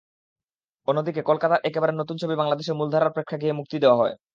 অন্যদিকে কলকাতার একেবারে নতুন ছবি বাংলাদেশের মূলধারার প্রেক্ষাগৃহে মুক্তি দেওয়া হয়।